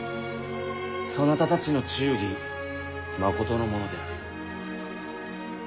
そなたたちの忠義まことのものである。